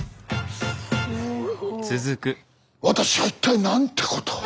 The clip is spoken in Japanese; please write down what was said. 私は一体なんてことを！